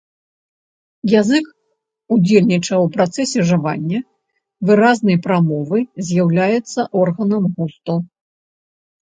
Язык ўдзельнічае ў працэсе жавання, выразнай прамовы, з'яўляецца органам густу.